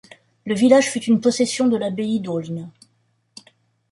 Le village fut une possession de l'Abbaye d'Aulne.